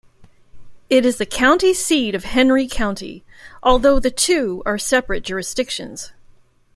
It is the county seat of Henry County, although the two are separate jurisdictions.